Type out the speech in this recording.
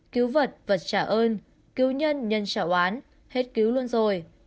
cứu vật vật trả ơn cứu nhân nhân trả oán hết cứu luôn rồi